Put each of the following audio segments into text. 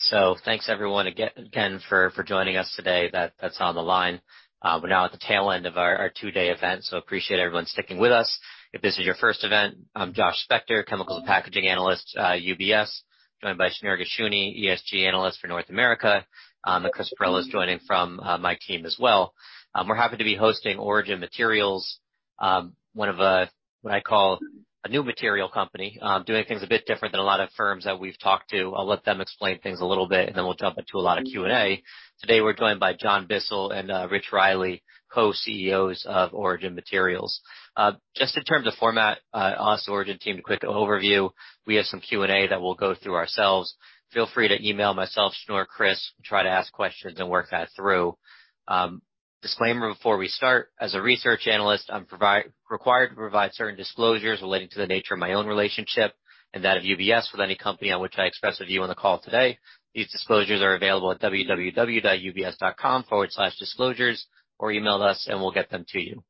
So thanks, everyone, again for joining us today that's on the line. We're now at the tail end of our two-day event, so I appreciate everyone sticking with us. If this is your first event, I'm Josh Spector, Chemicals and Packaging Analyst, UBS, joined by Shneur Gershuni, ESG Analyst for North America, and Chris Perrella is joining from my team as well. We're happy to be hosting Origin Materials, one of what I call a new material company, doing things a bit different than a lot of firms that we've talked to. I'll let them explain things a little bit, and then we'll jump into a lot of Q&A. Today, we're joined by John Bissell and Rich Riley, co-CEOs of Origin Materials. Just in terms of format, us, Origin team, quick overview. We have some Q&A that we'll go through ourselves. Feel free to email myself, Shneur, Chris, and try to ask questions and work that through. Disclaimer before we start: as a research analyst, I'm required to provide certain disclosures relating to the nature of my own relationship and that of UBS with any company on which I express a view on the call today. These disclosures are available at www.ubs.com/disclosures or email us, and we'll get them to you.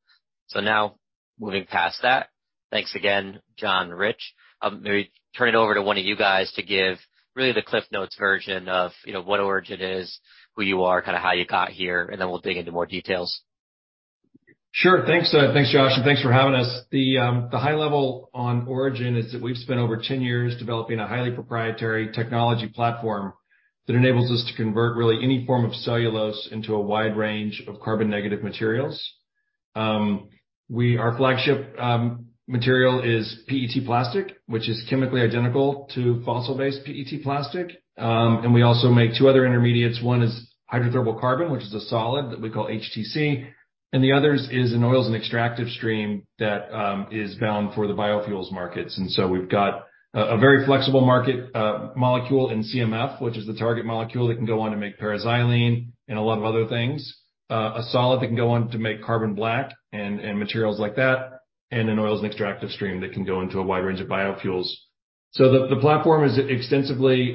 So now, moving past that, thanks again, John, Rich. Maybe turn it over to one of you guys to give really the CliffsNotes version of what Origin is, who you are, kind of how you got here, and then we'll dig into more details. Sure. Thanks, Josh, and thanks for having us. The high level on Origin is that we've spent over 10 years developing a highly proprietary technology platform that enables us to convert really any form of cellulose into a wide range of carbon-negative materials. Our flagship material is PET plastic, which is chemically identical to fossil-based PET plastic, and we also make two other intermediates; one is hydrothermal carbon, which is a solid that we call HTC, and the other is an oils and extractives stream that is bound for the biofuels markets. And so we've got a very flexible market molecule in CMF, which is the target molecule that can go on to make para-xylene and a lot of other things, a solid that can go on to make carbon black and materials like that, and an oils and extractives stream that can go into a wide range of biofuels. So the platform is extensively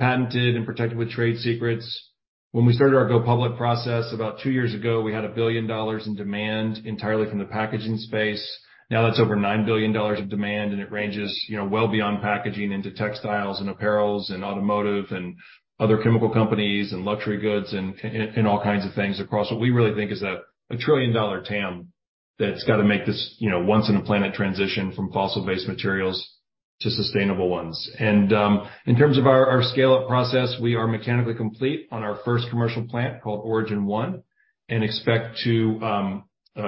patented and protected with trade secrets. When we started our go-public process about two years ago, we had $1 billion in demand entirely from the packaging space. Now, that's over $9 billion of demand, and it ranges well beyond packaging into textiles and apparels and automotive and other chemical companies and luxury goods and all kinds of things across what we really think is a $1 trillion TAM that's got to make this once-in-a-planet transition from fossil-based materials to sustainable ones. And in terms of our scale-up process, we are mechanically complete on our first commercial plant called Origin 1 and expect to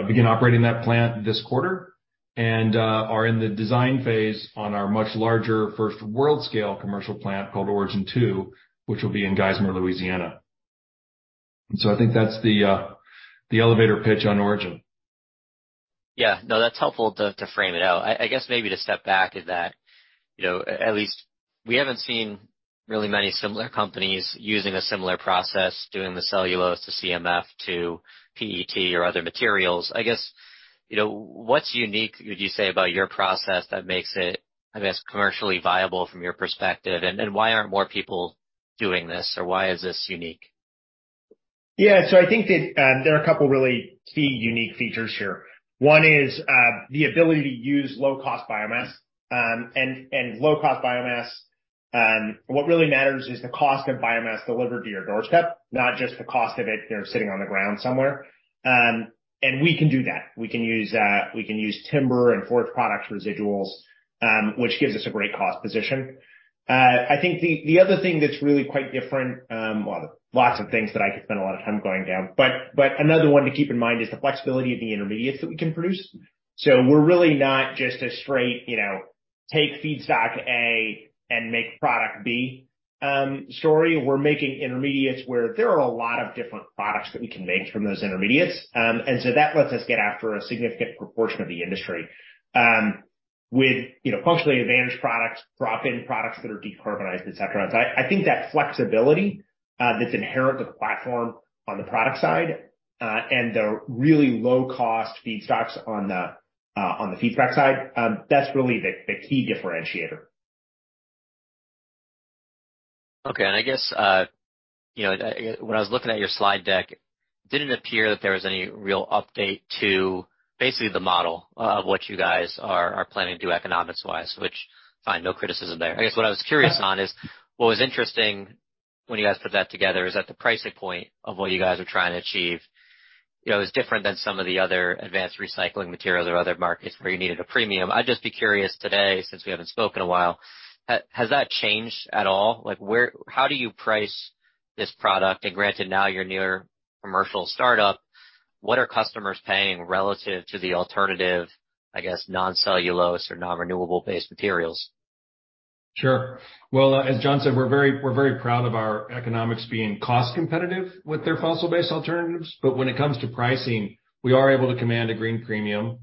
begin operating that plant this quarter and are in the design phase on our much larger first world-scale commercial plant called Origin 2, which will be in Geismar, Louisiana. And so I think that's the elevator pitch on Origin. Yeah. No, that's helpful to frame it out. I guess maybe to step back is that at least we haven't seen really many similar companies using a similar process, doing the cellulose to CMF to PET or other materials. I guess what's unique, would you say, about your process that makes it, I guess, commercially viable from your perspective? And why aren't more people doing this, or why is this unique? Yeah. So I think that there are a couple of really key unique features here. One is the ability to use low-cost biomass. And low-cost biomass, what really matters is the cost of biomass delivered to your doorstep, not just the cost of it sitting on the ground somewhere. And we can do that. We can use timber and forest product residuals, which gives us a great cost position. I think the other thing that's really quite different, well, lots of things that I could spend a lot of time going down, but another one to keep in mind is the flexibility of the intermediates that we can produce. So we're really not just a straight, take feedstock A and make product B story. We're making intermediates where there are a lot of different products that we can make from those intermediates. And so that lets us get after a significant proportion of the industry with functionally advantaged products, drop-in products that are decarbonized, et cetera. So I think that flexibility that's inherent to the platform on the product side and the really low-cost feedstocks on the feedstock side, that's really the key differentiator. Okay. And I guess when I was looking at your slide deck, it didn't appear that there was any real update to basically the model of what you guys are planning to do economics-wise, which I find no criticism there. I guess what I was curious on is what was interesting when you guys put that together is that the pricing point of what you guys are trying to achieve is different than some of the other advanced recycling materials or other markets where you needed a premium. I'd just be curious today, since we haven't spoken a while, has that changed at all? How do you price this product? And granted, now you're a near-commercial startup. What are customers paying relative to the alternative, I guess, non-cellulose or non-renewable-based materials? Sure. Well, as John said, we're very proud of our economics being cost-competitive with their fossil-based alternatives. But when it comes to pricing, we are able to command a green premium.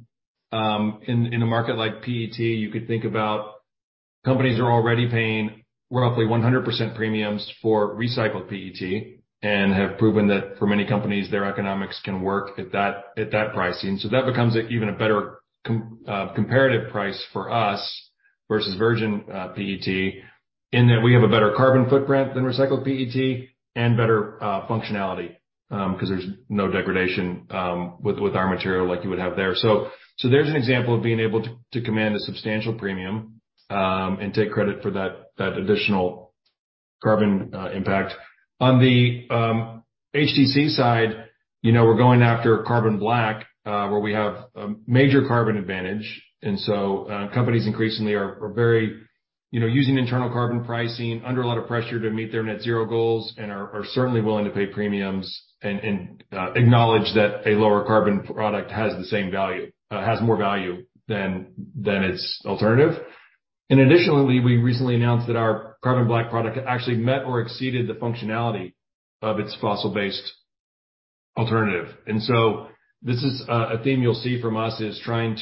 In a market like PET, you could think about companies that are already paying roughly 100% premiums for recycled PET and have proven that for many companies, their economics can work at that pricing. So that becomes even a better comparative price for us versus virgin PET in that we have a better carbon footprint than recycled PET and better functionality because there's no degradation with our material like you would have there. So there's an example of being able to command a substantial premium and take credit for that additional carbon impact. On the HTC side, we're going after carbon black, where we have a major carbon advantage. And so companies increasingly are using internal carbon pricing, under a lot of pressure to meet their net-zero goals, and are certainly willing to pay premiums and acknowledge that a lower carbon product has more value than its alternative. And additionally, we recently announced that our carbon black product actually met or exceeded the functionality of its fossil-based alternative. And so this is a theme you'll see from us is trying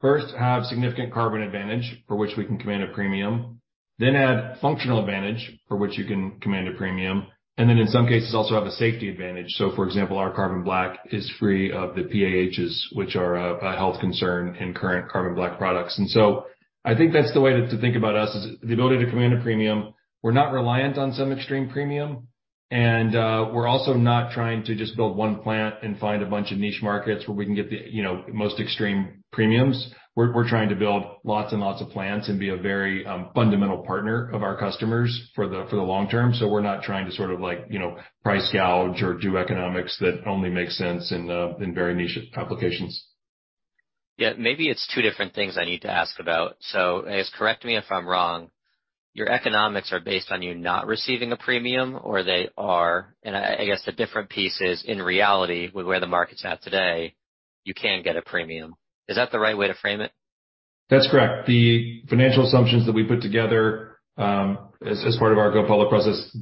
to first have significant carbon advantage for which we can command a premium, then add functional advantage for which you can command a premium, and then in some cases also have a safety advantage. So for example, our carbon black is free of the PAHs, which are a health concern in current carbon black products. And so I think that's the way to think about us is the ability to command a premium. We're not reliant on some extreme premium, and we're also not trying to just build one plant and find a bunch of niche markets where we can get the most extreme premiums. We're trying to build lots and lots of plants and be a very fundamental partner of our customers for the long term. So we're not trying to sort of price gouge or do economics that only make sense in very niche applications. Yeah. Maybe it's two different things I need to ask about. So I guess correct me if I'm wrong. Your economics are based on you not receiving a premium, or they are? And I guess the different pieces, in reality, with where the market's at today, you can get a premium. Is that the right way to frame it? That's correct. The financial assumptions that we put together as part of our go-public process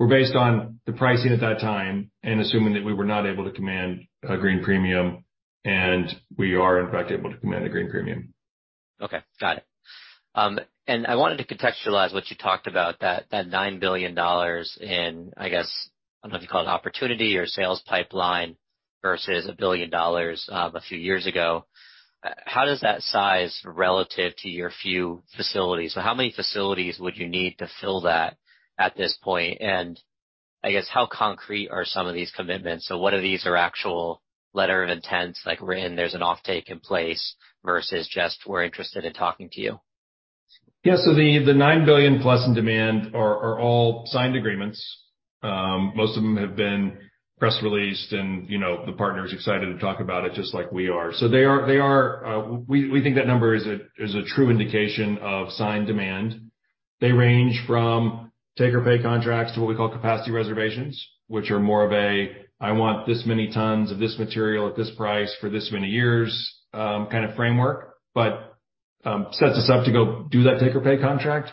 were based on the pricing at that time and assuming that we were not able to command a green premium, and we are, in fact, able to command a green premium. Okay. Got it. And I wanted to contextualize what you talked about, that $9 billion in, I guess, I don't know if you call it an opportunity or sales pipeline versus $1 billion a few years ago. How does that size relative to your few facilities? So how many facilities would you need to fill that at this point? And I guess how concrete are some of these commitments? So what of these are actual letter of intents, like written, There's an offtake in place, versus just, We're interested in talking to you? Yeah. So the $9 billion+ in demand are all signed agreements. Most of them have been press released, and the partner is excited to talk about it just like we are. So we think that number is a true indication of signed demand. They range from take-or-pay contracts to what we call capacity reservations, which are more of a, I want this many tons of this material at this price for this many years, kind of framework, but sets us up to go do that take-or-pay contract.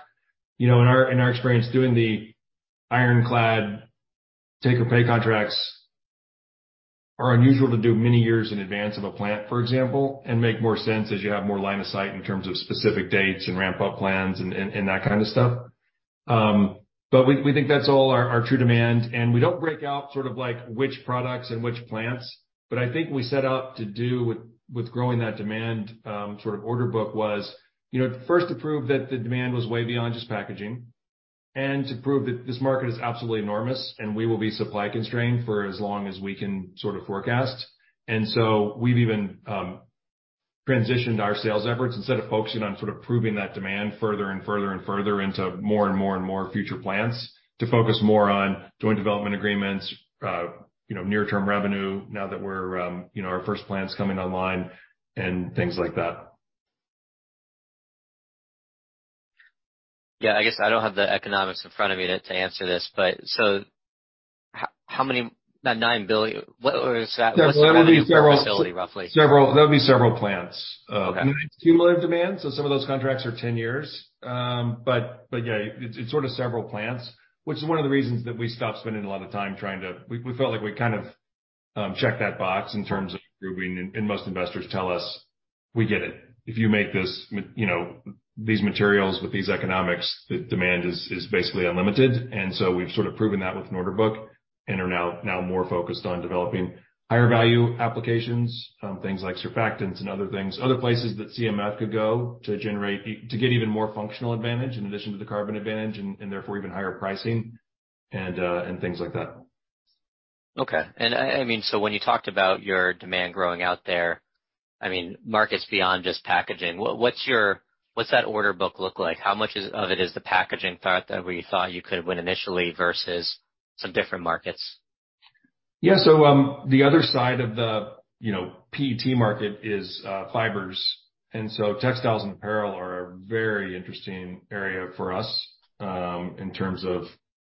In our experience, doing the ironclad take-or-pay contracts is unusual to do many years in advance of a plant, for example, and makes more sense as you have more line of sight in terms of specific dates and ramp-up plans and that kind of stuff. But we think that's all our true demand. And we don't break out sort of which products and which plants, but I think we set out to do with growing that demand sort of order book was first to prove that the demand was way beyond just packaging and to prove that this market is absolutely enormous, and we will be supply constrained for as long as we can sort of forecast. And so we've even transitioned our sales efforts instead of focusing on sort of proving that demand further and further and further into more and more and more future plants to focus more on joint development agreements, near-term revenue now that our first plant's coming online, and things like that. Yeah. I guess I don't have the economics in front of me to answer this, but so how many, that $9 billion, what's the total facility, roughly? That would be several plants. Nine is cumulative demand, so some of those contracts are 10 years. But yeah, it's sort of several plants, which is one of the reasons that we stopped spending a lot of time trying to, we felt like we kind of checked that box in terms of proving, and most investors tell us, We get it. If you make these materials with these economics, the demand is basically unlimited, and so we've sort of proven that with an order book and are now more focused on developing higher-value applications, things like surfactants and other things, other places that CMF could go to get even more functional advantage in addition to the carbon advantage and therefore even higher pricing and things like that. Okay, and I mean, so when you talked about your demand growing out there, I mean, markets beyond just packaging, what's that order book look like? How much of it is the packaging part that we thought you could win initially versus some different markets? Yeah. So the other side of the PET market is fibers. And so textiles and apparel are a very interesting area for us in terms of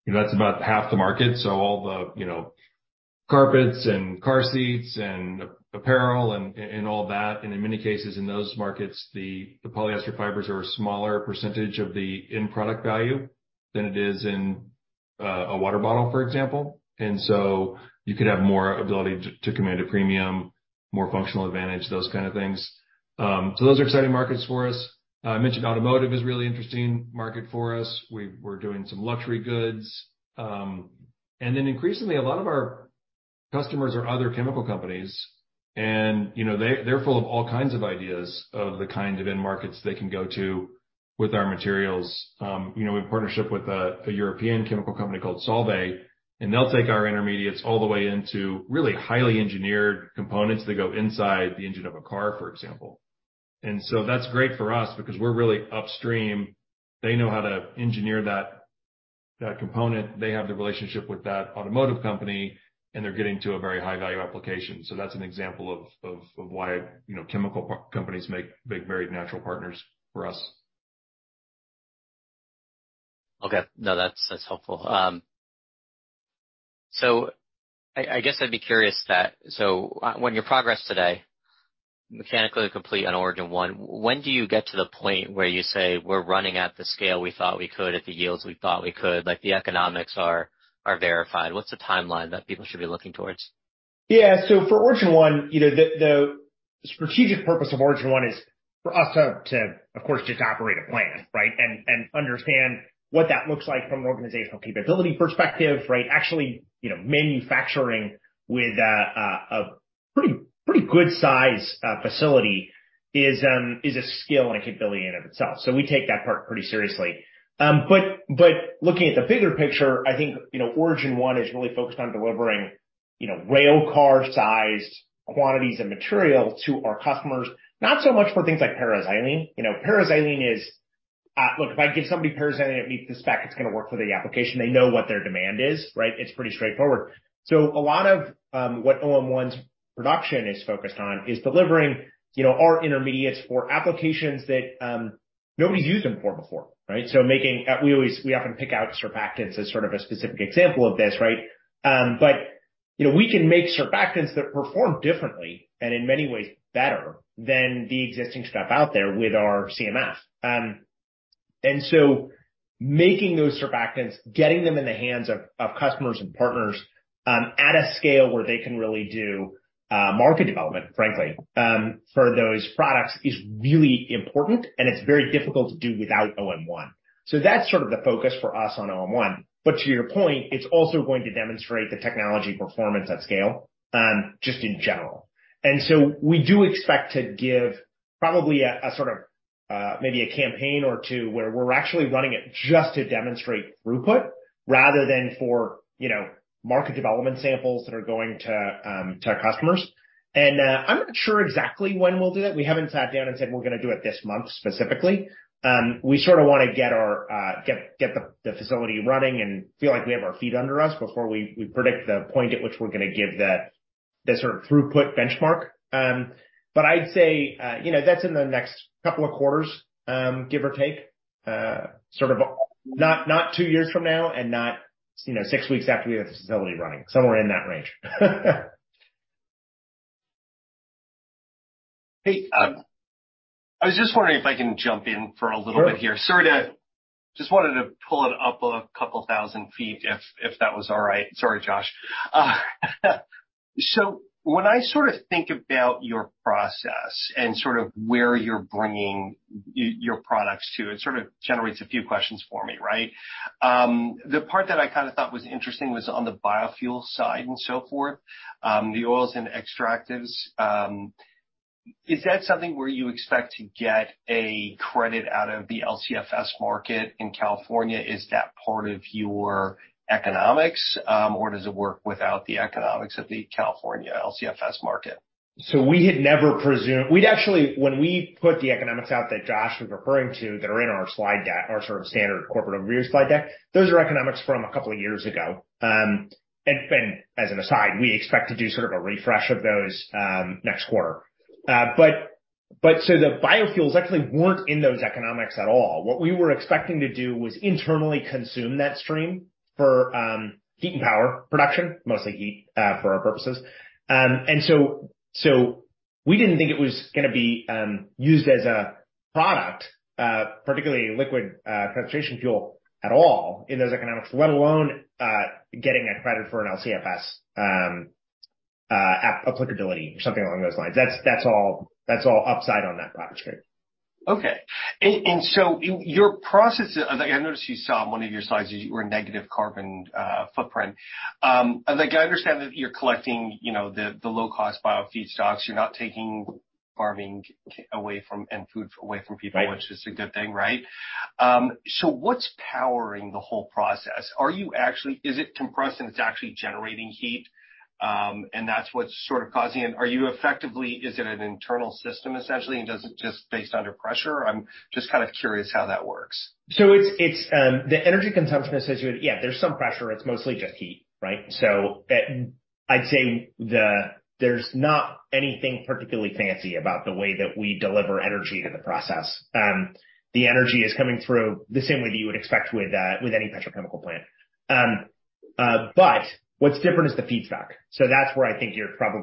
that's about half the market. So all the carpets and car seats and apparel and all that. And in many cases in those markets, the polyester fibers are a smaller percentage of the end product value than it is in a water bottle, for example. And so you could have more ability to command a premium, more functional advantage, those kind of things. So those are exciting markets for us. I mentioned automotive is a really interesting market for us. We're doing some luxury goods. And then increasingly, a lot of our customers are other chemical companies, and they're full of all kinds of ideas of the kind of end markets they can go to with our materials. We have a partnership with a European chemical company called Solvay, and they'll take our intermediates all the way into really highly engineered components that go inside the engine of a car, for example. And so that's great for us because we're really upstream. They know how to engineer that component. They have the relationship with that automotive company, and they're getting to a very high-value application, so that's an example of why chemical companies make very natural partners for us. Okay. No, that's helpful. So I guess I'd be curious when your progress to mechanical completion on Origin 1, when do you get to the point where you say, We're running at the scale we thought we could at the yields we thought we could? The economics are verified. What's the timeline that people should be looking toward? Yeah. So for Origin 1, the strategic purpose of Origin 1 is for us to, of course, just operate a plant, right, and understand what that looks like from an organizational capability perspective, right? Actually manufacturing with a pretty good-sized facility is a skill and a capability in and of itself. So we take that part pretty seriously. But looking at the bigger picture, I think Origin 1 is really focused on delivering rail car-sized quantities of material to our customers, not so much for things like para-xylene. Para-xylene is, look, if I give somebody para-xylene and it meets the spec, it's going to work for the application. They know what their demand is, right? It's pretty straightforward. So a lot of what OM1's production is focused on is delivering our intermediates for applications that nobody's used them for before, right? So we often pick out surfactants as sort of a specific example of this, right? But we can make surfactants that perform differently and in many ways better than the existing stuff out there with our CMF. And so making those surfactants, getting them in the hands of customers and partners at a scale where they can really do market development, frankly, for those products is really important, and it's very difficult to do without OM1. So that's sort of the focus for us on OM1. But to your point, it's also going to demonstrate the technology performance at scale just in general. And so we do expect to give probably a sort of maybe a campaign or two where we're actually running it just to demonstrate throughput rather than for market development samples that are going to customers. And I'm not sure exactly when we'll do that. We haven't sat down and said, we're going to do it this month specifically. We sort of want to get the facility running and feel like we have our feet under us before we predict the point at which we're going to give the sort of throughput benchmark. But I'd say that's in the next couple of quarters, give or take, sort of not two years from now and not six weeks after we have the facility running, somewhere in that range. Hey, Josh. I was just wondering if I can jump in for a little bit here. Just wanted to pull it up a couple thousand feet if that was all right. Sorry, Josh. So when I sort of think about your process and sort of where you're bringing your products to, it sort of generates a few questions for me, right? The part that I kind of thought was interesting was on the biofuel side and so forth, the oils and extractives. Is that something where you expect to get a credit out of the LCFS market in California? Is that part of your economics, or does it work without the economics of the California LCFS market? We had never presumed when we put the economics out that Josh was referring to that are in our slide deck, our sort of standard corporate overview slide deck, those are economics from a couple of years ago. As an aside, we expect to do sort of a refresh of those next quarter. The biofuels actually weren't in those economics at all. What we were expecting to do was internally consume that stream for heat and power production, mostly heat for our purposes. We didn't think it was going to be used as a product, particularly liquid transportation fuel at all in those economics, let alone getting a credit for an LCFS applicability or something along those lines. That's all upside on that product stream. Okay. And so your process, I noticed you saw on one of your slides that you were a negative carbon footprint. I understand that you're collecting the low-cost bio feedstocks. You're not taking farming away from and food away from people, which is a good thing, right? So what's powering the whole process? Is it compressed and it's actually generating heat, and that's what's sort of causing it? Is it an internal system essentially, and is it just based under pressure? I'm just kind of curious how that works. So the energy consumption associated, yeah, there's some pressure. It's mostly just heat, right? So I'd say there's not anything particularly fancy about the way that we deliver energy to the process. The energy is coming through the same way that you would expect with any petrochemical plant. But what's different is the feedstock. So that's where I think you're trying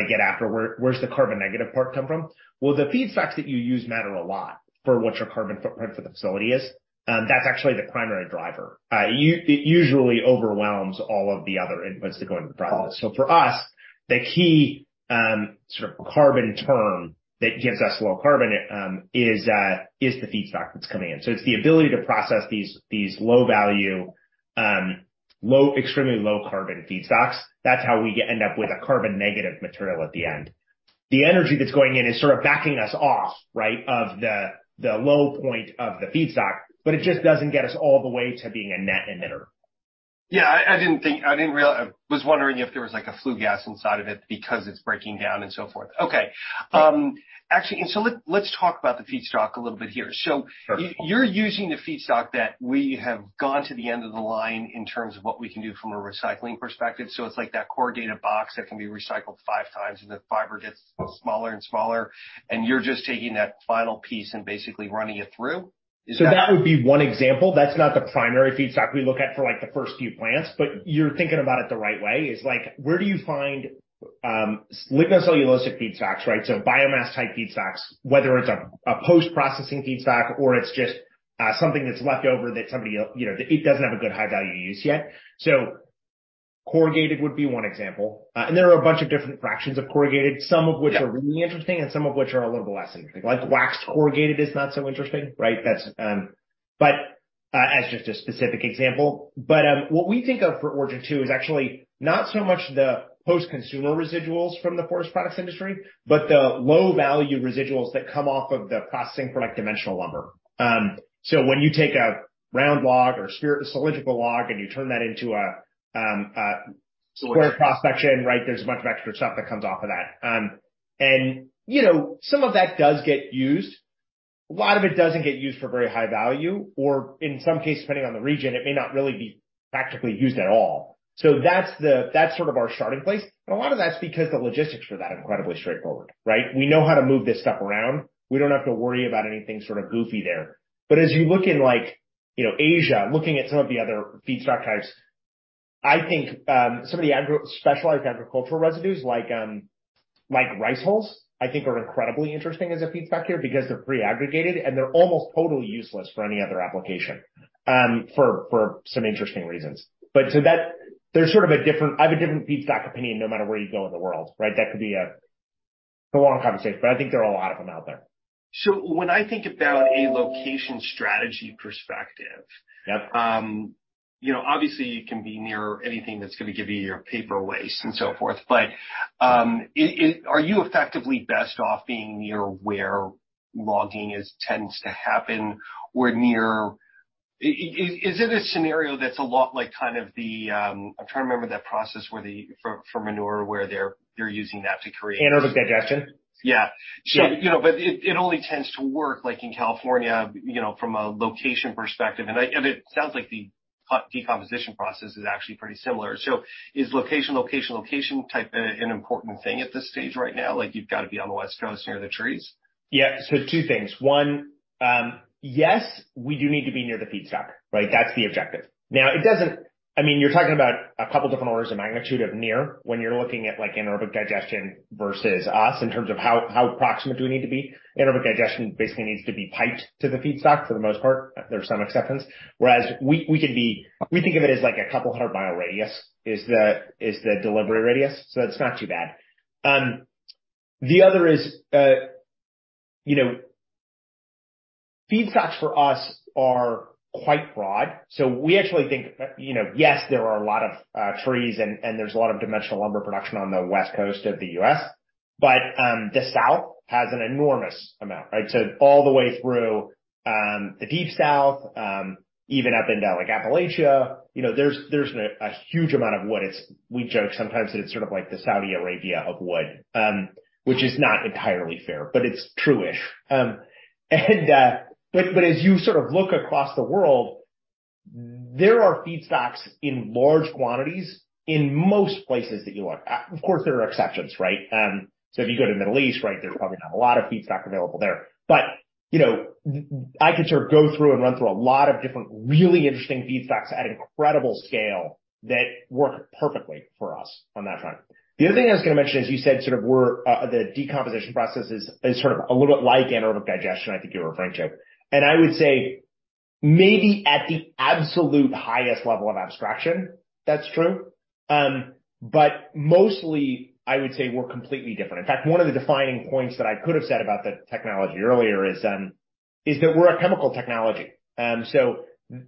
to get after. Where's the carbon-negative part come from? Well, the feedstocks that you use matter a lot for what your carbon footprint for the facility is. That's actually the primary driver. It usually overwhelms all of the other inputs that go into the process. So for us, the key sort of carbon term that gives us low carbon is the feedstock that's coming in. So it's the ability to process these low-value, extremely low-carbon feedstocks. That's how we end up with a carbon-negative material at the end. The energy that's going in is sort of backing us off, right, of the low point of the feedstock, but it just doesn't get us all the way to being a net emitter. Yeah. I didn't realize I was wondering if there was a flue gas inside of it because it's breaking down and so forth. Okay. Actually, so let's talk about the feedstock a little bit here. So you're using the feedstock that we have gone to the end of the line in terms of what we can do from a recycling perspective. So it's like that cardboard box that can be recycled five times, and the fiber gets smaller and smaller, and you're just taking that final piece and basically running it through. Is that? So that would be one example. That's not the primary feedstock we look at for the first few plants, but you're thinking about it the right way. It's like, where do you find lignocellulosic feedstocks, right? So biomass-type feedstocks, whether it's a post-processing feedstock or it's just something that's leftover that somebody, it doesn't have a good high-value use yet. So corrugated would be one example. And there are a bunch of different fractions of corrugated, some of which are really interesting and some of which are a little bit less interesting. Like waxed corrugated is not so interesting, right? But as just a specific example. But what we think of for Origin 2 is actually not so much the post-consumer residuals from the forest products industry, but the low-value residuals that come off of the processing for dimensional lumber. When you take a round log or cylindrical log and you turn that into a square cross-section, right, there's a bunch of extra stuff that comes off of that. Some of that does get used. A lot of it doesn't get used for very high value, or in some cases, depending on the region, it may not really be practically used at all. That's sort of our starting place. A lot of that's because the logistics for that are incredibly straightforward, right? We know how to move this stuff around. We don't have to worry about anything sort of goofy there. But as you look in Asia, looking at some of the other feedstock types, I think some of the specialized agricultural residues like rice hulls, I think, are incredibly interesting as a feedstock here because they're pre-aggregated and they're almost totally useless for any other application for some interesting reasons. I have a different feedstock opinion no matter where you go in the world, right? That could be a long conversation, but I think there are a lot of them out there. So when I think about a location strategy perspective, obviously, you can be near anything that's going to give you your paper waste and so forth. But are you effectively best off being near where logging tends to happen or near, is it a scenario that's a lot like kind of the, I'm trying to remember that process for manure where they're using that to create? Anaerobic digestion. Yeah. But it only tends to work in California from a location perspective. And it sounds like the decomposition process is actually pretty similar. So is location, location, location type an important thing at this stage right now? You've got to be on the West Coast near the trees? Yeah. So two things. One, yes, we do need to be near the feedstock, right? That's the objective. Now, I mean, you're talking about a couple different orders of magnitude of near when you're looking at anaerobic digestion versus us in terms of how proximate do we need to be. Anaerobic digestion basically needs to be piped to the feedstock for the most part. There's some acceptance. Whereas we can be we think of it as a couple hundred mile radius is the delivery radius. So that's not too bad. The other is feedstocks for us are quite broad. So we actually think, yes, there are a lot of trees and there's a lot of dimensional lumber production on the West Coast of the U.S., but the South has an enormous amount, right? So all the way through the Deep South, even up into Appalachia, there's a huge amount of wood. We joke sometimes that it's sort of like the Saudi Arabia of wood, which is not entirely fair, but it's true-ish. But as you sort of look across the world, there are feedstocks in large quantities in most places that you look. Of course, there are exceptions, right? So if you go to the Middle East, right, there's probably not a lot of feedstock available there. But I could sort of go through and run through a lot of different really interesting feedstocks at incredible scale that work perfectly for us on that front. The other thing I was going to mention is you said sort of the decomposition process is sort of a little bit like anaerobic digestion, I think you're referring to. I would say maybe at the absolute highest level of abstraction, that's true. But mostly, I would say we're completely different. In fact, one of the defining points that I could have said about the technology earlier is that we're a chemical technology. So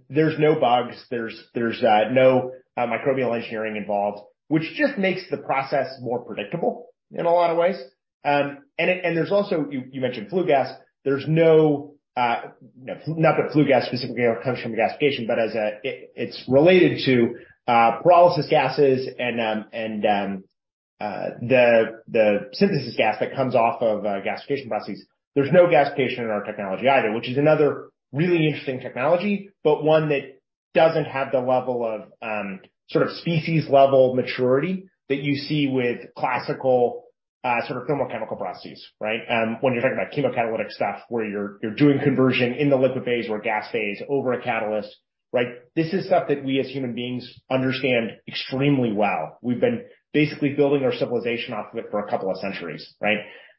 there's no bugs. There's no microbial engineering involved, which just makes the process more predictable in a lot of ways. And there's also, you mentioned flue gas. There's not that flue gas specifically comes from gasification, but it's related to pyrolysis gases and the synthesis gas that comes off of gasification processes. There's no gasification in our technology either, which is another really interesting technology, but one that doesn't have the level of sort of species-level maturity that you see with classical sort of thermochemical processes, right? When you're talking about chemocatalytic stuff where you're doing conversion in the liquid phase or gas phase over a catalyst, right? This is stuff that we as human beings understand extremely well. We've been basically building our civilization off of it for a couple of centuries, right?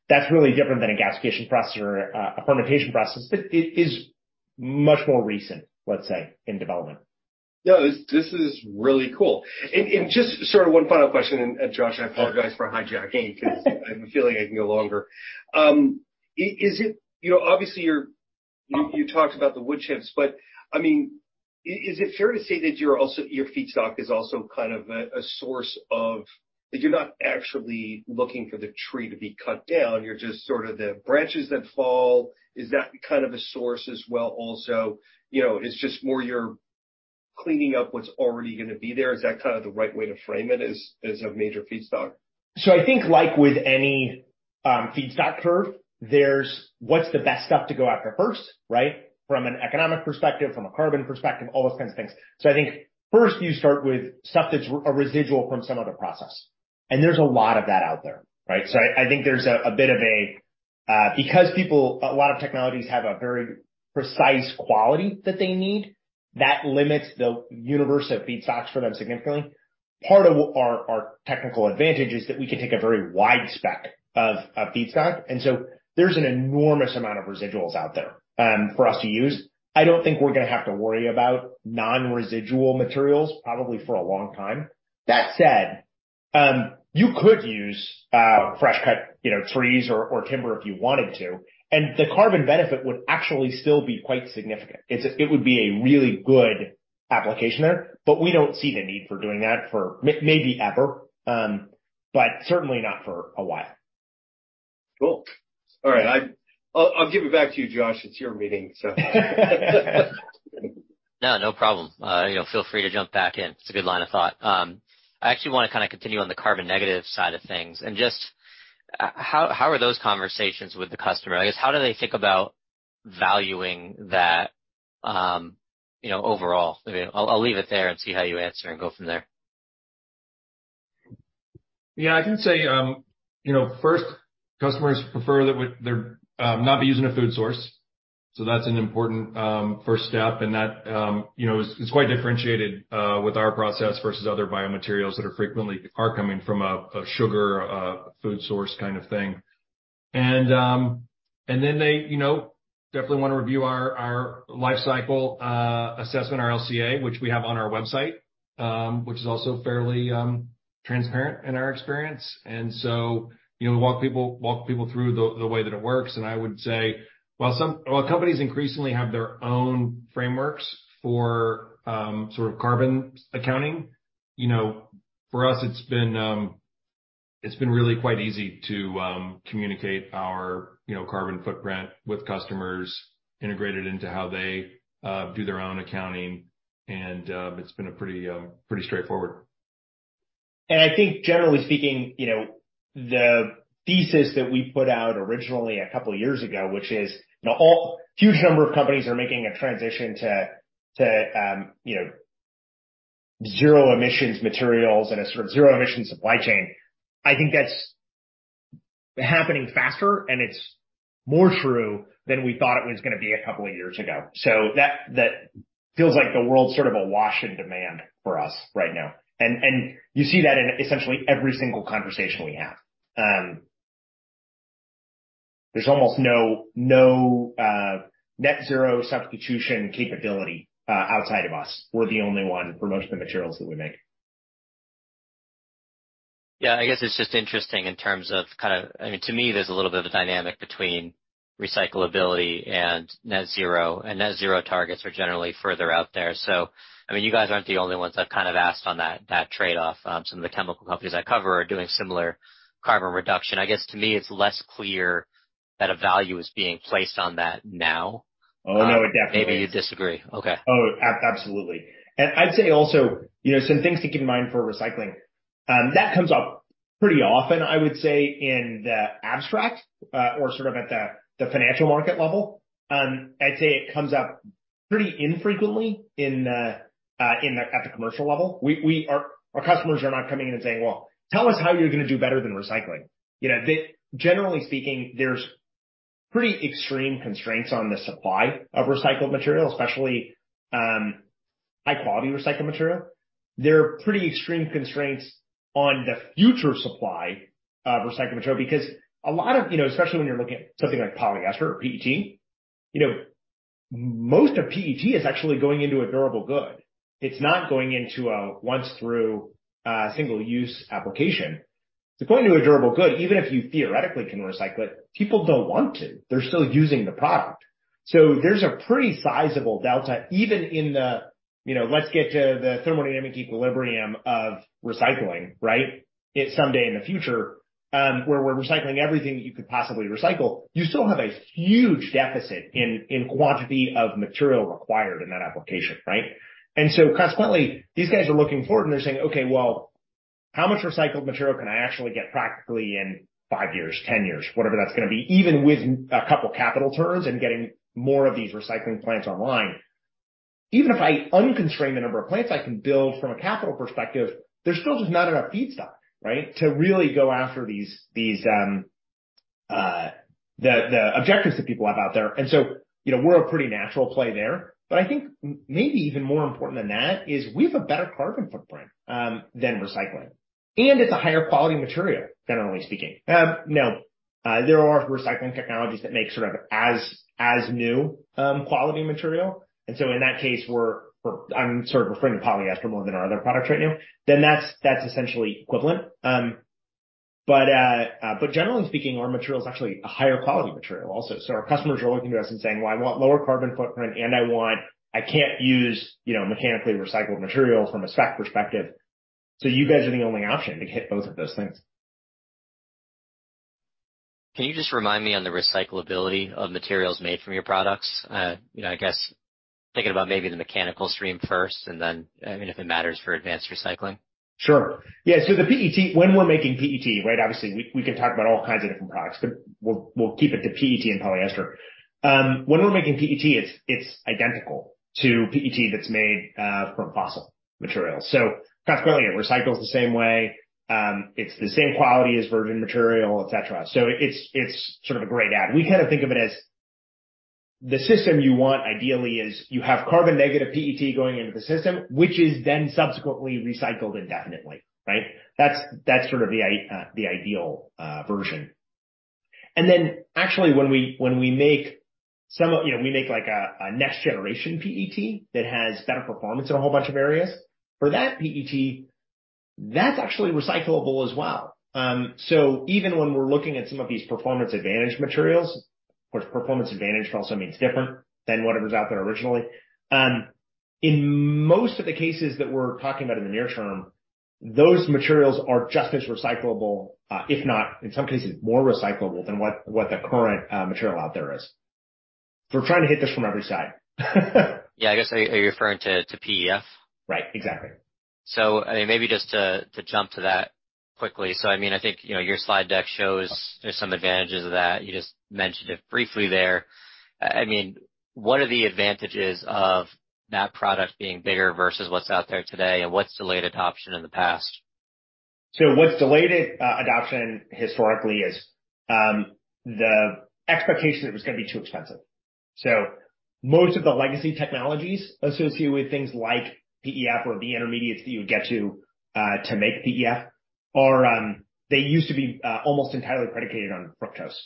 That's really different than a gasification process or a fermentation process. It is much more recent, let's say, in development. No, this is really cool, and just sort of one final question, and Josh, I apologize for hijacking because I have a feeling I can go longer. Obviously, you talked about the wood chips, but I mean, is it fair to say that your feedstock is also kind of a source of you're not actually looking for the tree to be cut down. You're just sort of the branches that fall. Is that kind of a source as well also? It's just more you're cleaning up what's already going to be there. Is that kind of the right way to frame it as a major feedstock? So I think like with any feedstock curve, there's what's the best stuff to go after first, right? From an economic perspective, from a carbon perspective, all those kinds of things. So I think first you start with stuff that's a residual from some other process. And there's a lot of that out there, right? So I think there's a bit of a because a lot of technologies have a very precise quality that they need, that limits the universe of feedstocks for them significantly. Part of our technical advantage is that we can take a very wide spec of feedstock. And so there's an enormous amount of residuals out there for us to use. I don't think we're going to have to worry about non-residual materials probably for a long time. That said, you could use fresh-cut trees or timber if you wanted to. The carbon benefit would actually still be quite significant. It would be a really good application there, but we don't see the need for doing that for maybe ever, but certainly not for a while. Cool. All right. I'll give it back to you, Josh. It's your meeting, so. No, no problem. Feel free to jump back in. It's a good line of thought. I actually want to kind of continue on the carbon negative side of things. And just how are those conversations with the customer? I guess, how do they think about valuing that overall? I'll leave it there and see how you answer and go from there. Yeah. I can say first, customers prefer that they're not using a food source. So that's an important first step. And it's quite differentiated with our process versus other biomaterials that are frequently coming from a sugar food source kind of thing. And then they definitely want to review our life-cycle assessment, our LCA, which we have on our website, which is also fairly transparent in our experience. And so we walk people through the way that it works. And I would say, well, companies increasingly have their own frameworks for sort of carbon accounting. For us, it's been really quite easy to communicate our carbon footprint with customers, integrated into how they do their own accounting. And it's been pretty straightforward. I think, generally speaking, the thesis that we put out originally a couple of years ago, which is a huge number of companies are making a transition to zero-emissions materials and a sort of zero-emissions supply chain, I think that's happening faster, and it's more true than we thought it was going to be a couple of years ago. That feels like the world's sort of awash in demand for us right now. You see that in essentially every single conversation we have. There's almost no net-zero substitution capability outside of us. We're the only one for most of the materials that we make. Yeah. I guess it's just interesting in terms of kind of—I mean, to me, there's a little bit of a dynamic between recyclability and net-zero. And net zero targets are generally further out there. So I mean, you guys aren't the only ones I've kind of asked on that trade-off. Some of the chemical companies I cover are doing similar carbon reduction. I guess, to me, it's less clear that a value is being placed on that now. Oh, no, definitely. Maybe you disagree. Okay. Oh, absolutely. And I'd say also some things to keep in mind for recycling. That comes up pretty often, I would say, in the abstract or sort of at the financial market level. I'd say it comes up pretty infrequently at the commercial level. Our customers are not coming in and saying, Well, tell us how you're going to do better than recycling. Generally speaking, there's pretty extreme constraints on the supply of recycled material, especially high-quality recycled material. There are pretty extreme constraints on the future supply of recycled material because a lot of especially when you're looking at something like polyester or PET, most of PET is actually going into a durable good. It's not going into a once-through single-use application. To go into a durable good, even if you theoretically can recycle it, people don't want to. They're still using the product. So there's a pretty sizable delta, even in the let's get to the thermodynamic equilibrium of recycling, right, someday in the future, where we're recycling everything that you could possibly recycle. You still have a huge deficit in quantity of material required in that application, right? And so consequently, these guys are looking forward and they're saying, Okay, well, how much recycled material can I actually get practically in five years, 10 years, whatever that's going to be, even with a couple of capital turns and getting more of these recycling plants online? Even if I unconstrain the number of plants I can build from a capital perspective, there's still just not enough feedstock, right, to really go after the objectives that people have out there. And so we're a pretty natural play there. I think maybe even more important than that is we have a better carbon footprint than recycling. It's a higher quality material, generally speaking. Now, there are recycling technologies that make sort of as new quality material. So in that case, I'm sort of referring to polyester more than our other products right now, then that's essentially equivalent. Generally speaking, our material is actually a higher quality material also. Our customers are looking to us and saying, Well, I want lower carbon footprint, and I can't use mechanically recycled material from a spec perspective. You guys are the only option to hit both of those things. Can you just remind me on the recyclability of materials made from your products? I guess thinking about maybe the mechanical stream first and then if it matters for advanced recycling. Sure. Yeah. So when we're making PET, right, obviously, we can talk about all kinds of different products, but we'll keep it to PET and polyester. When we're making PET, it's identical to PET that's made from fossil materials. So consequently, it recycles the same way. It's the same quality as virgin material, et cetera. So it's sort of a great add. We kind of think of it as the system you want ideally is you have carbon-negative PET going into the system, which is then subsequently recycled indefinitely, right? That's sort of the ideal version. And then actually, when we make a next-generation PET that has better performance in a whole bunch of areas. For that PET, that's actually recyclable as well. So even when we're looking at some of these performance-advantaged materials, of course, performance-advantaged also means different than whatever's out there originally. In most of the cases that we're talking about in the near term, those materials are just as recyclable, if not, in some cases, more recyclable than what the current material out there is. So we're trying to hit this from every side. Yeah. I guess, are you referring to PEF? Right. Exactly. I mean, maybe just to jump to that quickly. I mean, I think your slide deck shows there's some advantages of that. You just mentioned it briefly there. I mean, what are the advantages of that product being bigger versus what's out there today and what's delayed adoption in the past? So what's delayed adoption historically is the expectation that it was going to be too expensive. So most of the legacy technologies associated with things like PEF or the intermediates that you would get to make PEF, they used to be almost entirely predicated on fructose.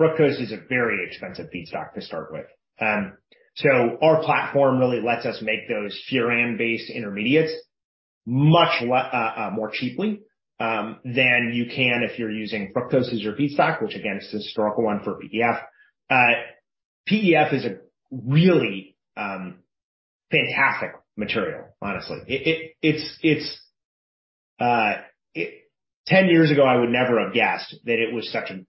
Fructose is a very expensive feedstock to start with. So our platform really lets us make those furan-based intermediates much more cheaply than you can if you're using fructose as your feedstock, which again, is the historical one for PEF. PEF is a really fantastic material, honestly. 10 years ago, I would never have guessed that it was such an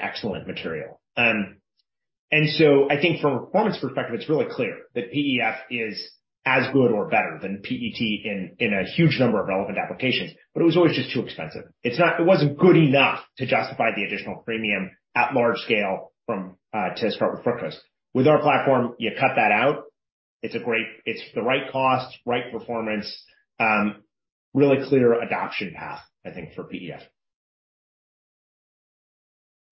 excellent material. And so I think from a performance perspective, it's really clear that PEF is as good or better than PET in a huge number of relevant applications, but it was always just too expensive. It wasn't good enough to justify the additional premium at large scale to start with fructose. With our platform, you cut that out. It's the right cost, right performance, really clear adoption path, I think, for PEF.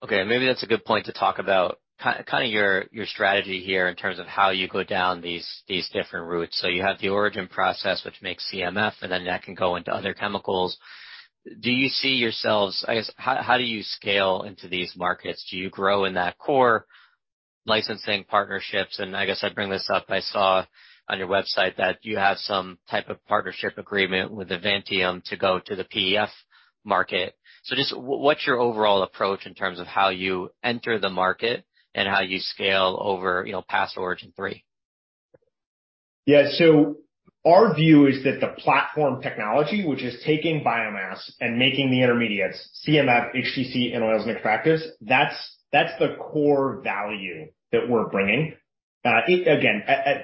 Okay. And maybe that's a good point to talk about kind of your strategy here in terms of how you go down these different routes. So you have the Origin process, which makes CMF, and then that can go into other chemicals. Do you see yourselves? I guess, how do you scale into these markets? Do you grow in that core licensing partnerships? And I guess I'd bring this up. I saw on your website that you have some type of partnership agreement with Avantium to go to the PEF market. So just what's your overall approach in terms of how you enter the market and how you scale over past Origin three? Yeah. So our view is that the platform technology, which is taking biomass and making the intermediates CMF, HTC, and oils and extractives, that's the core value that we're bringing, again,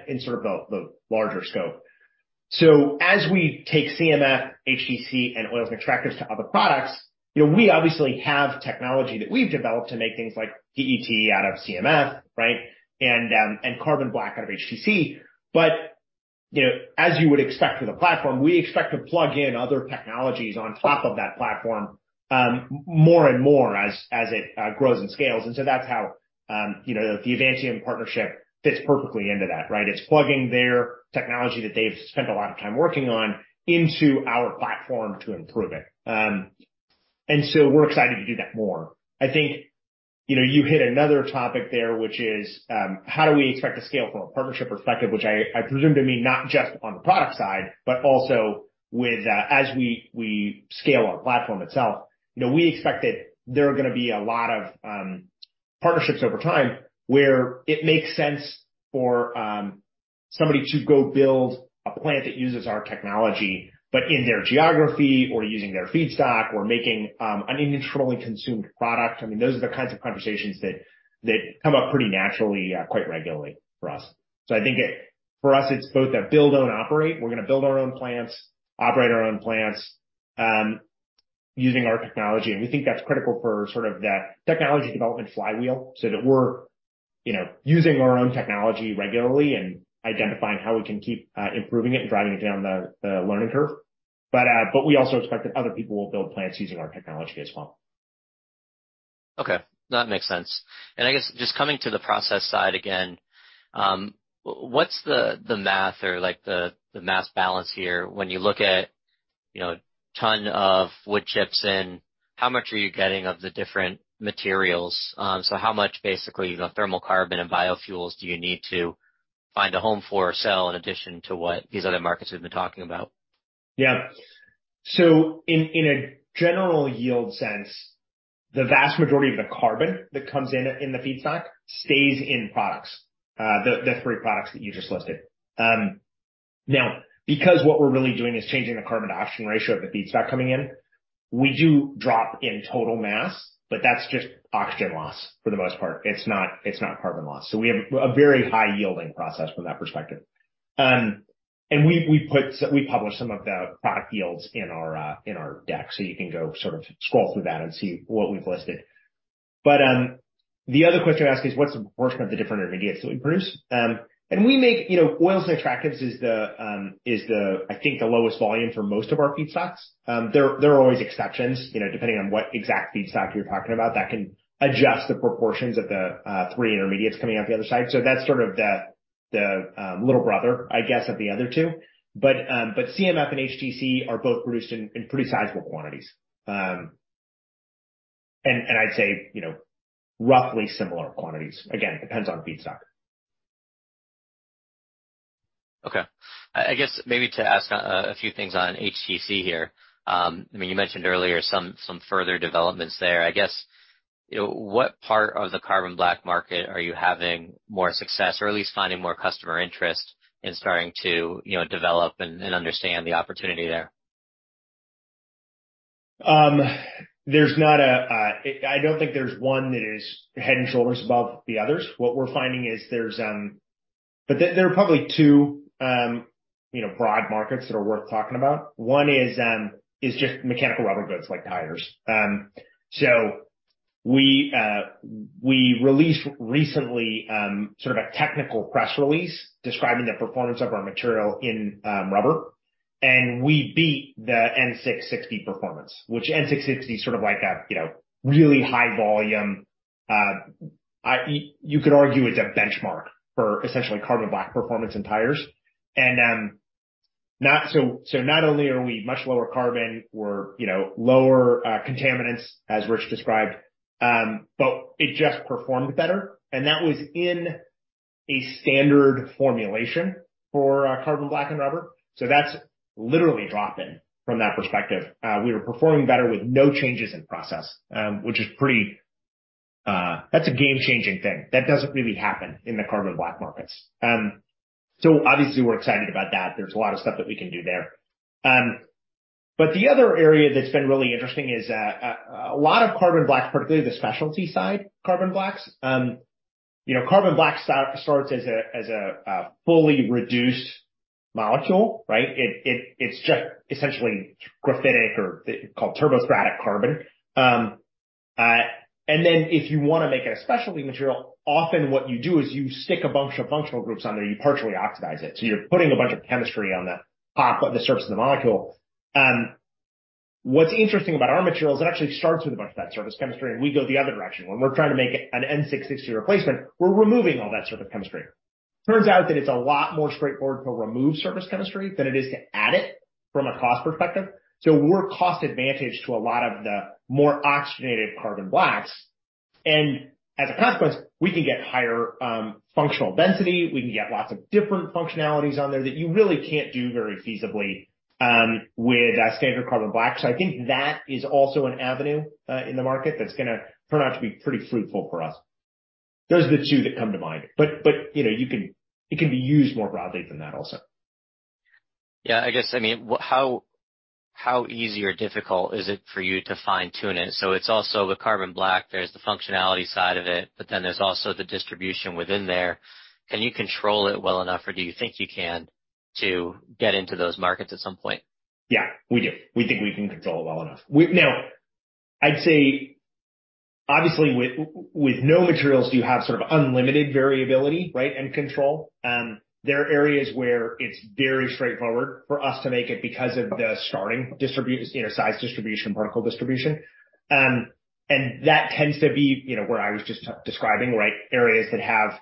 in sort of the larger scope. So as we take CMF, HTC, and oils and extractives to other products, we obviously have technology that we've developed to make things like PET out of CMF, right, and carbon black out of HTC. But as you would expect for the platform, we expect to plug in other technologies on top of that platform more and more as it grows and scales. And so that's how the Avantium partnership fits perfectly into that, right? It's plugging their technology that they've spent a lot of time working on into our platform to improve it. And so we're excited to do that more. I think you hit another topic there, which is how do we expect to scale from a partnership perspective, which I presume to mean not just on the product side, but also as we scale our platform itself. We expect that there are going to be a lot of partnerships over time where it makes sense for somebody to go build a plant that uses our technology, but in their geography or using their feedstock or making an internally consumed product. I mean, those are the kinds of conversations that come up pretty naturally, quite regularly for us. So I think for us, it's both a build-own-operate. We're going to build our own plants, operate our own plants using our technology. We think that's critical for sort of that technology development flywheel so that we're using our own technology regularly and identifying how we can keep improving it and driving it down the learning curve. We also expect that other people will build plants using our technology as well. Okay. That makes sense. And I guess just coming to the process side again, what's the math or the mass balance here when you look at a ton of wood chips in? How much are you getting of the different materials? So how much, basically, hydrothermal carbon and biofuels do you need to find a home for or sell in addition to what these other markets we've been talking about? Yeah. So in a general yield sense, the vast majority of the carbon that comes in the feedstock stays in products, the three products that you just listed. Now, because what we're really doing is changing the carbon-to-oxygen ratio of the feedstock coming in, we do drop in total mass, but that's just oxygen loss for the most part. It's not carbon loss. So we have a very high-yielding process from that perspective. And we publish some of the product yields in our deck, so you can go sort of scroll through that and see what we've listed. But the other question I ask is, what's the proportion of the different intermediates that we produce? And we make oils and extractives is the, I think, the lowest volume for most of our feedstocks. There are always exceptions. Depending on what exact feedstock you're talking about, that can adjust the proportions of the three intermediates coming out the other side. So that's sort of the little brother, I guess, of the other two. But CMF and HTC are both produced in pretty sizable quantities. And I'd say roughly similar quantities. Again, it depends on feedstock. Okay. I guess maybe to ask a few things on HTC here. I mean, you mentioned earlier some further developments there. I guess what part of the carbon black market are you having more success or at least finding more customer interest in starting to develop and understand the opportunity there? There's not – I don't think there's one that is head and shoulders above the others. What we're finding is there are probably two broad markets that are worth talking about. One is just mechanical rubber goods like tires. So we released recently sort of a technical press release describing the performance of our material in rubber. And we beat the N660 performance, which N660 is sort of like a really high volume. You could argue it's a benchmark for essentially carbon black performance in tires. And so not only are we much lower carbon or lower contaminants, as Rich described, but it just performed better. And that was in a standard formulation for carbon black and rubber. So that's literally drop-in from that perspective. We were performing better with no changes in process, which is pretty – that's a game-changing thing. That doesn't really happen in the carbon black markets, so obviously, we're excited about that. There's a lot of stuff that we can do there, but the other area that's been really interesting is a lot of carbon black, particularly the specialty side carbon blacks. Carbon black starts as a fully reduced molecule, right? It's just essentially graphitic or called turbostratic carbon, and then if you want to make it a specialty material, often what you do is you stick a bunch of functional groups on there. You partially oxidize it. So you're putting a bunch of chemistry on the surface of the molecule. What's interesting about our material is it actually starts with a bunch of that surface chemistry, and we go the other direction. When we're trying to make an N660 replacement, we're removing all that surface chemistry. Turns out that it's a lot more straightforward to remove surface chemistry than it is to add it from a cost perspective. So we're cost-advantaged to a lot of the more oxygenated carbon blacks. And as a consequence, we can get higher functional density. We can get lots of different functionalities on there that you really can't do very feasibly with standard carbon black. So I think that is also an avenue in the market that's going to turn out to be pretty fruitful for us. Those are the two that come to mind. But it can be used more broadly than that also. Yeah. I guess, I mean, how easy or difficult is it for you to fine-tune it? So it's also the carbon black. There's the functionality side of it, but then there's also the distribution within there. Can you control it well enough, or do you think you can to get into those markets at some point? Yeah. We do. We think we can control it well enough. Now, I'd say, obviously, with no materials, you have sort of unlimited variability, right, and control. There are areas where it's very straightforward for us to make it because of the starting size distribution, particle distribution, and that tends to be where I was just describing, right, areas that have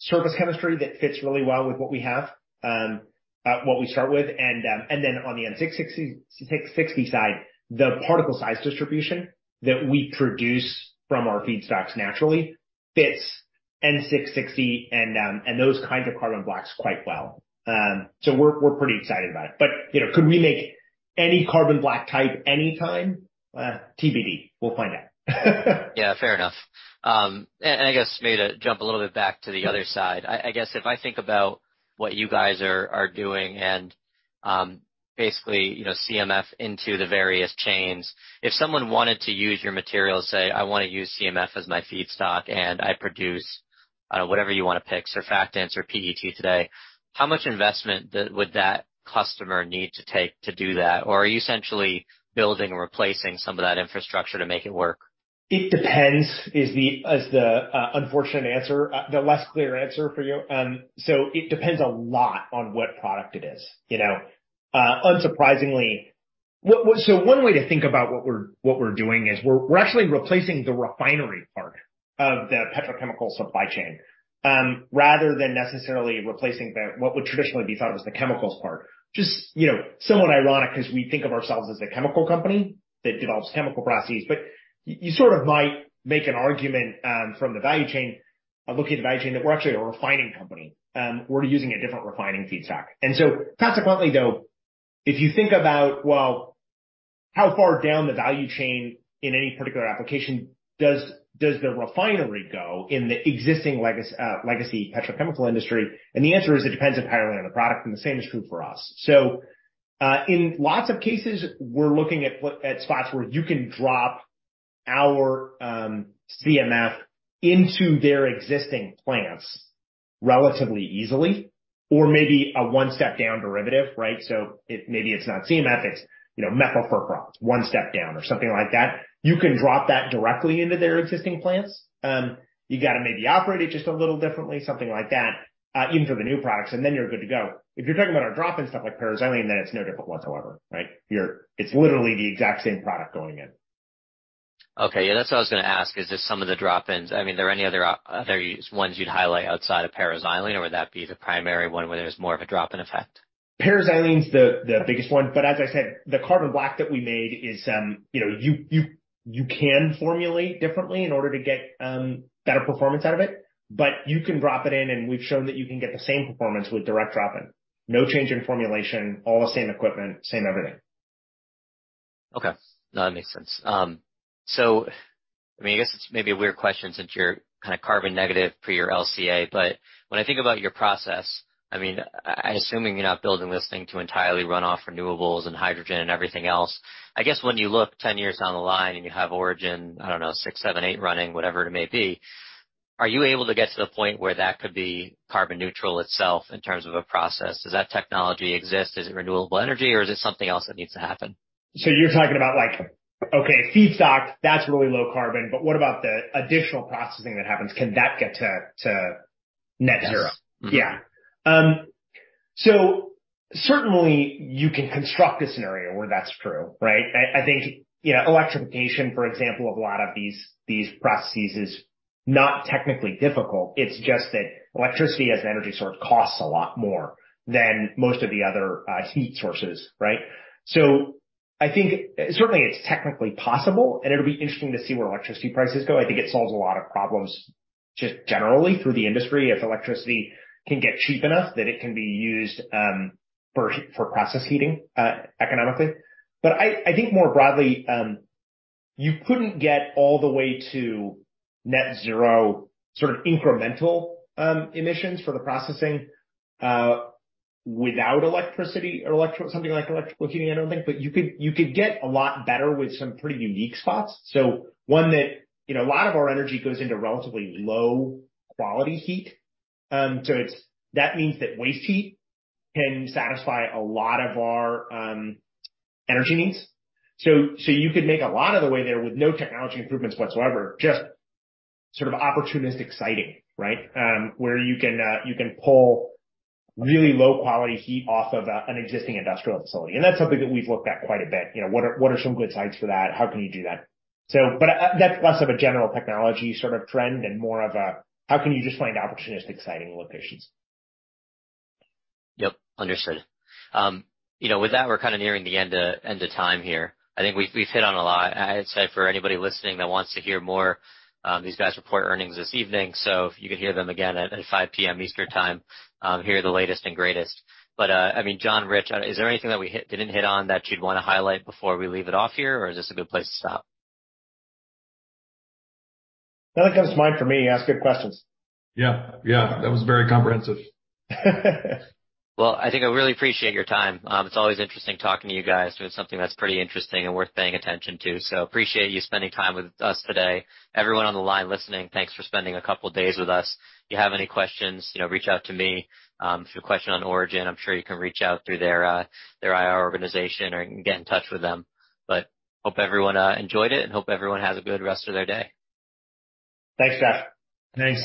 surface chemistry that fits really well with what we have, what we start with, and then on the N660 side, the particle size distribution that we produce from our feedstocks naturally fits N660 and those kinds of carbon blacks quite well, so we're pretty excited about it, but could we make any carbon black type any time? TBD. We'll find out. Yeah. Fair enough. And I guess maybe to jump a little bit back to the other side, I guess if I think about what you guys are doing and basically CMF into the various chains, if someone wanted to use your material, say, I want to use CMF as my feedstock, and I produce whatever you want to pick, surfactants or PET today, how much investment would that customer need to take to do that? Or are you essentially building or replacing some of that infrastructure to make it work? It depends, is the unfortunate answer, the less clear answer for you, so it depends a lot on what product it is. Unsurprisingly, so one way to think about what we're doing is we're actually replacing the refinery part of the petrochemical supply chain rather than necessarily replacing what would traditionally be thought of as the chemicals part. Just somewhat ironic because we think of ourselves as a chemical company that develops chemical processes, but you sort of might make an argument from the value chain, looking at the value chain, that we're actually a refining company. We're using a different refining feedstock, and so consequently, though, if you think about, well, how far down the value chain in any particular application does the refinery go in the existing legacy petrochemical industry? And the answer is it depends entirely on the product, and the same is true for us. So in lots of cases, we're looking at spots where you can drop our CMF into their existing plants relatively easily or maybe a one-step-down derivative, right? So maybe it's not CMF, it's methylfurans, one step down or something like that. You can drop that directly into their existing plants. You got to maybe operate it just a little differently, something like that, even for the new products, and then you're good to go. If you're talking about our drop-in stuff like para-xylene, then it's no different whatsoever, right? It's literally the exact same product going in. Okay. Yeah. That's what I was going to ask. Is this some of the drop-ins? I mean, are there any other ones you'd highlight outside of para-xylene, or would that be the primary one where there's more of a drop-in effect? Paraxylene is the biggest one. But as I said, the carbon black that we made is you can formulate differently in order to get better performance out of it. But you can drop it in, and we've shown that you can get the same performance with direct drop-in. No change in formulation, all the same equipment, same everything. Okay. No, that makes sense. So I mean, I guess it's maybe a weird question since you're kind of carbon negative for your LCA. But when I think about your process, I mean, assuming you're not building this thing to entirely run off renewables and hydrogen and everything else, I guess when you look 10 years down the line and you have Origin 6, 7, 8 running, whatever it may be, are you able to get to the point where that could be carbon neutral itself in terms of a process? Does that technology exist? Is it renewable energy, or is it something else that needs to happen? So you're talking about, okay, feedstock, that's really low carbon. But what about the additional processing that happens? Can that get to net zero? Yes. Yeah. So certainly, you can construct a scenario where that's true, right? I think electrification, for example, of a lot of these processes is not technically difficult. It's just that electricity as an energy source costs a lot more than most of the other heat sources, right? So I think certainly it's technically possible, and it'll be interesting to see where electricity prices go. I think it solves a lot of problems just generally through the industry if electricity can get cheap enough that it can be used for process heating economically. But I think more broadly, you couldn't get all the way to net zero sort of incremental emissions for the processing without electricity or something like electric heating, I don't think. But you could get a lot better with some pretty unit ops. So one that a lot of our energy goes into relatively low-quality heat. So that means that waste heat can satisfy a lot of our energy needs. So you could make a lot of the way there with no technology improvements whatsoever, just sort of opportunistic siting, right, where you can pull really low-quality heat off of an existing industrial facility. And that's something that we've looked at quite a bit. What are some good sites for that? How can you do that? But that's less of a general technology sort of trend and more of a how can you just find opportunistic siting locations? Yep. Understood. With that, we're kind of nearing the end of time here. I think we've hit on a lot. I'd say for anybody listening that wants to hear more, these guys report earnings this evening. So if you could hear them again at 5:00 P.M. Eastern Time, hear the latest and greatest. But I mean, John, Rich, is there anything that we didn't hit on that you'd want to highlight before we leave it off here, or is this a good place to stop? Nothing comes to mind for me. You asked good questions. Yeah. Yeah. That was very comprehensive. I think I really appreciate your time. It's always interesting talking to you guys. It's been something that's pretty interesting and worth paying attention to. So appreciate you spending time with us today. Everyone on the line listening, thanks for spending a couple of days with us. If you have any questions, reach out to me. If you have a question on Origin, I'm sure you can reach out through their IR organization or get in touch with them. But hope everyone enjoyed it and hope everyone has a good rest of their day. Thanks, Josh. Thanks.